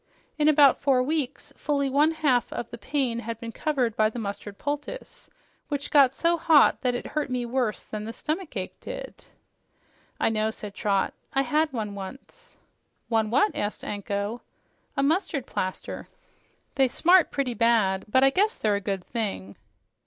In about four weeks fully one half of the pain had been covered by the mustard poultice, which got so hot that it hurt me worse than the stomach ache did." "I know," said Trot. "I had one, once." "One what?" asked Anko. "A mustard plaster. They smart pretty bad, but I guess they're a good thing."